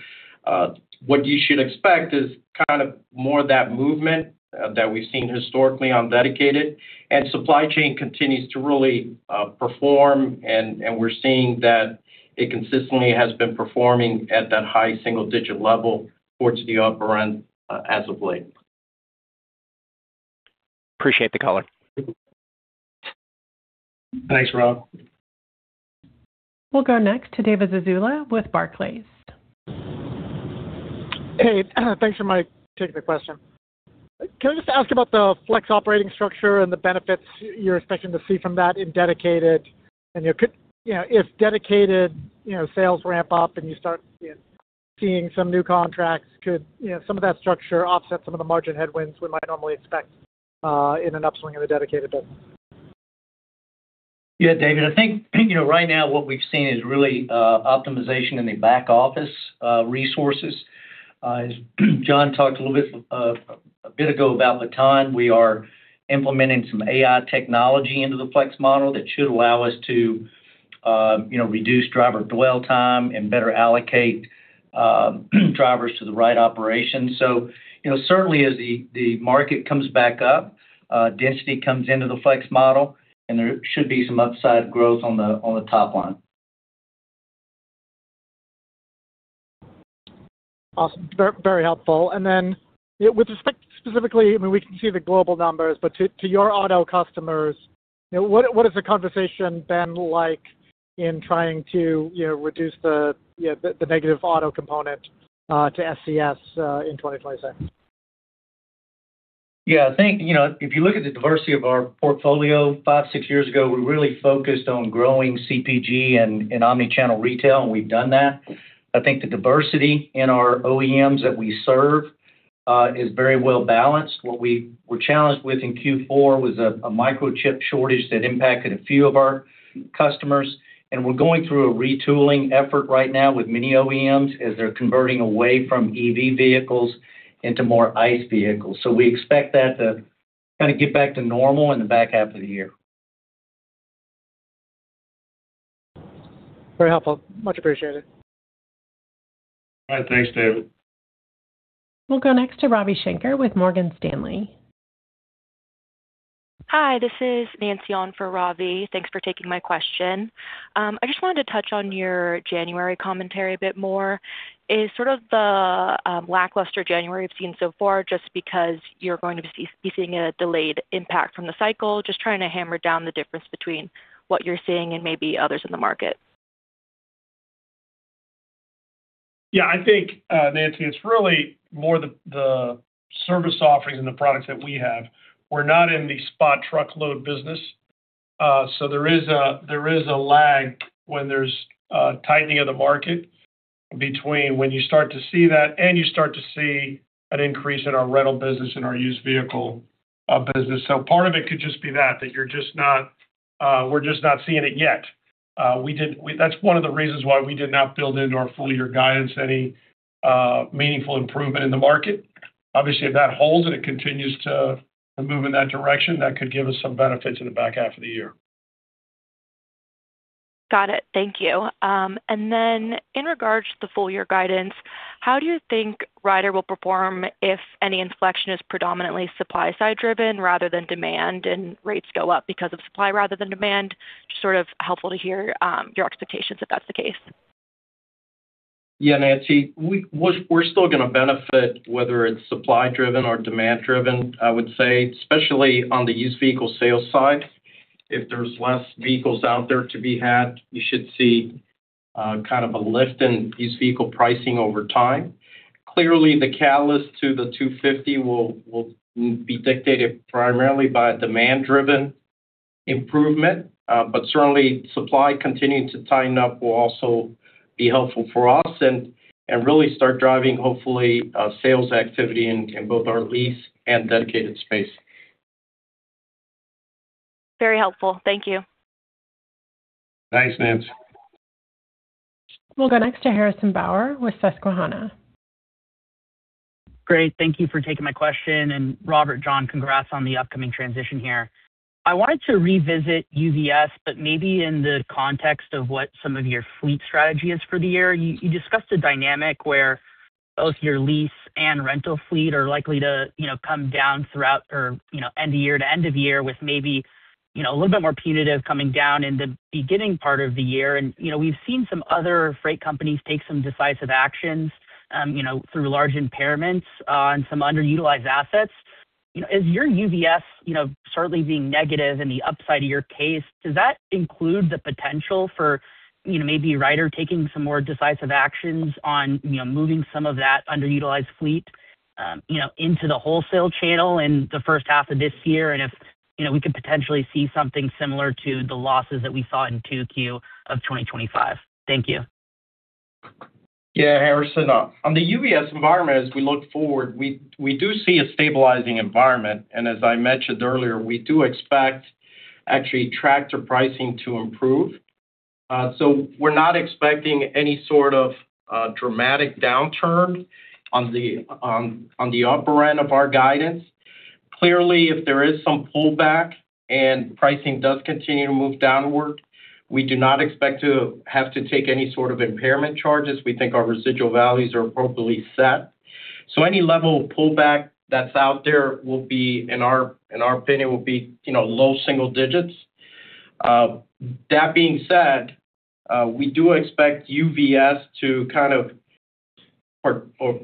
what you should expect is kind of more of that movement that we've seen historically on dedicated. And supply chain continues to really perform, and we're seeing that it consistently has been performing at that high single-digit level towards the upper end as of late. Appreciate the color. Thanks, Rob. We'll go next to David Zazula with Barclays. Hey, thanks for taking the question. Can I just ask about the flex operating structure and the benefits you're expecting to see from that in dedicated? And if dedicated sales ramp up and you start seeing some new contracts, could some of that structure offset some of the margin headwinds we might normally expect in an upswing in the dedicated business? Yeah, David, I think right now, what we've seen is really optimization in the back-office resources. John talked a little bit ago about Baton. We are implementing some AI technology into the flex model that should allow us to reduce driver dwell time and better allocate drivers to the right operations. So certainly, as the market comes back up, density comes into the flex model, and there should be some upside growth on the top line. Awesome. Very helpful. With respect specifically, I mean, we can see the global numbers, but to your auto customers, what has the conversation been like in trying to reduce the negative auto component to SCS in 2027? Yeah, I think if you look at the diversity of our portfolio, five, six years ago, we really focused on growing CPG and omnichannel retail, and we've done that. I think the diversity in our OEMs that we serve is very well balanced. What we were challenged with in Q4 was a microchip shortage that impacted a few of our customers. And we're going through a retooling effort right now with many OEMs as they're converting away from EV vehicles into more ICE vehicles. So we expect that to kind of get back to normal in the back half of the year. Very helpful. Much appreciated. All right. Thanks, David. We'll go next to Robbie Schenker with Morgan Stanley. Hi, this is Nancy on for Robbie. Thanks for taking my question. I just wanted to touch on your January commentary a bit more. Is sort of the lackluster January we've seen so far just because you're going to be seeing a delayed impact from the cycle? Just trying to hammer down the difference between what you're seeing and maybe others in the market. Yeah, I think, Nancy, it's really more the service offerings and the products that we have. We're not in the spot truckload business. So there is a lag when there's tightening of the market between when you start to see that and you start to see an increase in our rental business and our used vehicle business. So part of it could just be that we're just not seeing it yet. That's one of the reasons why we did not build into our full-year guidance any meaningful improvement in the market. Obviously, if that holds and it continues to move in that direction, that could give us some benefits in the back half of the year. Got it. Thank you. And then in regards to the full-year guidance, how do you think Ryder will perform if any inflection is predominantly supply-side-driven rather than demand and rates go up because of supply rather than demand? Just sort of helpful to hear your expectations if that's the case. Yeah, Nancy, we're still going to benefit, whether it's supply-driven or demand-driven, I would say, especially on the used vehicle sales side. If there's less vehicles out there to be had, you should see kind of a lift in used vehicle pricing over time. Clearly, the catalyst to the 250 will be dictated primarily by a demand-driven improvement. But certainly, supply continuing to tighten up will also be helpful for us and really start driving, hopefully, sales activity in both our lease and dedicated space. Very helpful. Thank you. Thanks, Nancy. We'll go next to Harrison Bauer with Susquehanna. Great. Thank you for taking my question. Robert, John, congrats on the upcoming transition here. I wanted to revisit UVS, but maybe in the context of what some of your fleet strategy is for the year. You discussed a dynamic where both your lease and rental fleet are likely to come down throughout or end of year to end of year with maybe a little bit more punitive coming down in the beginning part of the year. We've seen some other freight companies take some decisive actions through large impairments on some underutilized assets. As your UVS certainly being negative in the upside of your case, does that include the potential for maybe Ryder taking some more decisive actions on moving some of that underutilized fleet into the wholesale channel in the first half of this year? And if we could potentially see something similar to the losses that we saw in 2Q of 2025? Thank you. Yeah, Harrison, on the UVS environment, as we look forward, we do see a stabilizing environment. And as I mentioned earlier, we do expect actually tractor pricing to improve. So we're not expecting any sort of dramatic downturn on the upper end of our guidance. Clearly, if there is some pullback and pricing does continue to move downward, we do not expect to have to take any sort of impairment charges. We think our residual values are appropriately set. So any level of pullback that's out there, in our opinion, will be low single digits. That being said, we do expect UVS to kind of,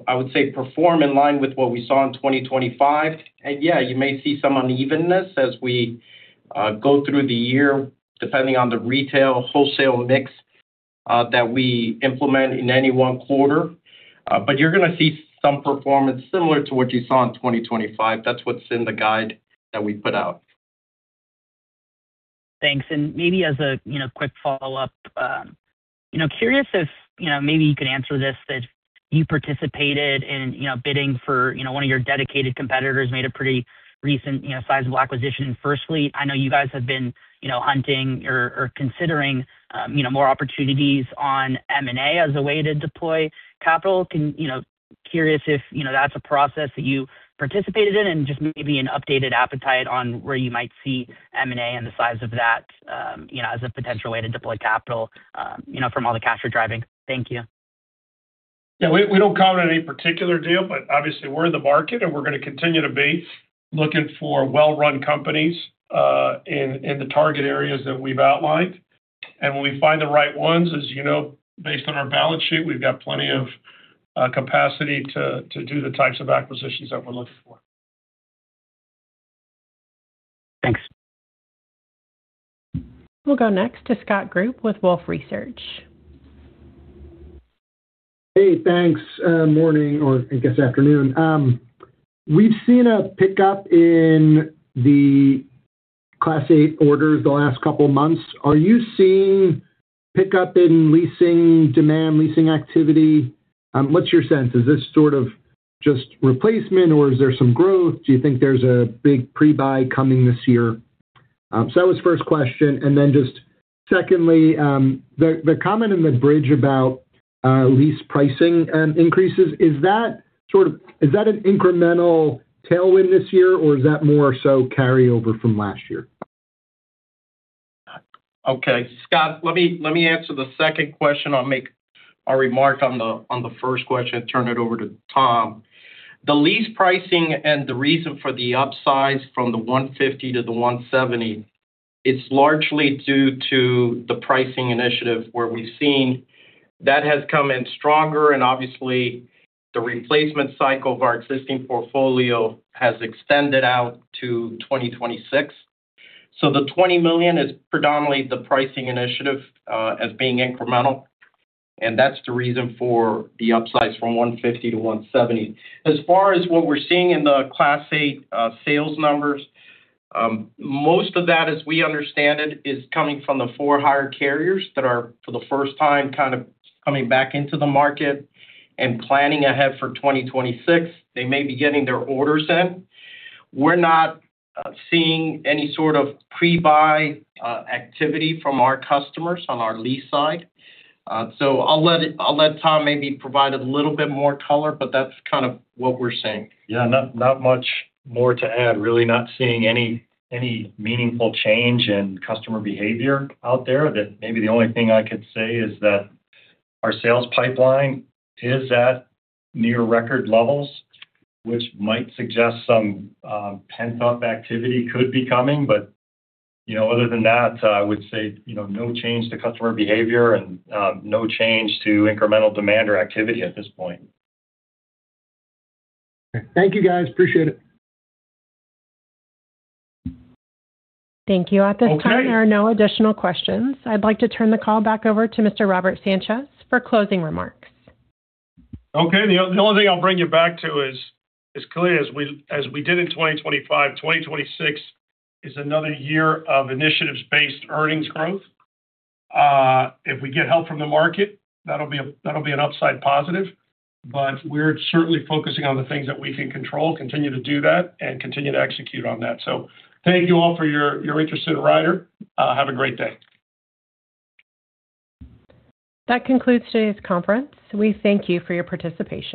I would say, perform in line with what we saw in 2025. And yeah, you may see some unevenness as we go through the year, depending on the retail wholesale mix that we implement in any one quarter. But you're going to see some performance similar to what you saw in 2025. That's what's in the guide that we put out. Thanks. And maybe as a quick follow-up, curious if maybe you could answer this, that you participated in bidding for one of your dedicated competitors made a pretty recent sizable acquisition in FirstFleet. I know you guys have been hunting or considering more opportunities on M&A as a way to deploy capital. Curious if that's a process that you participated in and just maybe an updated appetite on where you might see M&A and the size of that as a potential way to deploy capital from all the cash you're driving. Thank you. Yeah, we don't cover any particular deal, but obviously, we're in the market, and we're going to continue to be looking for well-run companies in the target areas that we've outlined. When we find the right ones, as you know, based on our balance sheet, we've got plenty of capacity to do the types of acquisitions that we're looking for. Thanks. We'll go next to Scott Group with Wolfe Research. Hey, thanks. Morning or, I guess, afternoon. We've seen a pickup in the Class 8 orders the last couple of months. Are you seeing pickup in leasing demand, leasing activity? What's your sense? Is this sort of just replacement, or is there some growth? Do you think there's a big pre-buy coming this year? So that was the first question. Then just secondly, the comment in the bridge about lease pricing increases, is that sort of an incremental tailwind this year, or is that more so carryover from last year? Okay, Scott, let me answer the second question. I'll make a remark on the first question and turn it over to Tom. The lease pricing and the reason for the upsize from the $150 million to the $170 million, it's largely due to the pricing initiative where we've seen that has come in stronger. And obviously, the replacement cycle of our existing portfolio has extended out to 2026. So the $20 million is predominantly the pricing initiative as being incremental. And that's the reason for the upsize from $150 million to $170 million. As far as what we're seeing in the Class 8 sales numbers, most of that, as we understand it, is coming from the for-hire carriers that are, for the first time, kind of coming back into the market and planning ahead for 2026. They may be getting their orders in. We're not seeing any sort of pre-buy activity from our customers on our lease side. So I'll let Tom maybe provide a little bit more color, but that's kind of what we're seeing. Yeah, not much more to add, really not seeing any meaningful change in customer behavior out there. Maybe the only thing I could say is that our sales pipeline is at near record levels, which might suggest some pent-up activity could be coming. But other than that, I would say no change to customer behavior and no change to incremental demand or activity at this point. Thank you, guys. Appreciate it. Thank you. At this time, there are no additional questions. I'd like to turn the call back over to Mr. Robert Sanchez for closing remarks. Okay. The only thing I'll bring you back to is clear. As we did in 2025, 2026 is another year of initiatives-based earnings growth. If we get help from the market, that'll be an upside positive. But we're certainly focusing on the things that we can control, continue to do that, and continue to execute on that. So thank you all for your interest in Ryder. Have a great day. That concludes today's conference. We thank you for your participation.